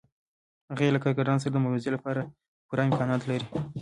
هغوی له کارګرانو سره د مبارزې لپاره پوره امکانات لري